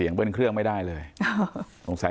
ด้วยเหตุผลอะไรก็แล้วแต่ก็ทำร้ายกันแบบนี้ไม่ได้